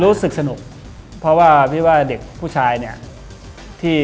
รู้สึกสนุกเพราะว่าพี่ว่าเด็กผู้ชายเนี่ยที่